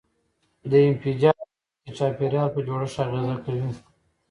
د انفجار شوک د چاپیریال په جوړښت اغېزه کوي.